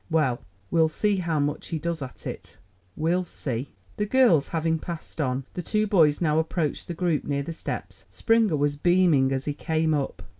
Well, we'll see how much he does at it we'll see." The girls having passed on, the two boys now approached the group near the steps. Springer was beaming as he came up.